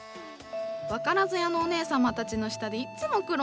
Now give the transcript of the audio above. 分からず屋のお姉様たちの下でいっつも苦労してる私。